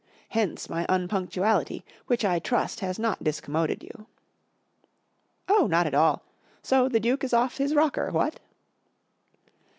Hence my iinpunctuality, which I trust has not discommoded you/' " Oh, not at all. So the Duke is oft hhe rocker, what